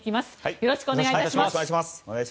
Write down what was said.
よろしくお願いします。